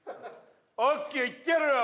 オーケーいってやるよ